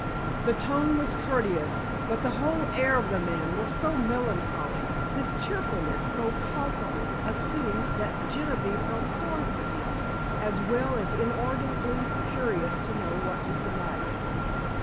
The tone was courteous, but the whole air of the man was so melancholy, his cheerfulness so palpably assumed, that Genevieve felt sorry for him, as well as inordinately curious to know what was the matter.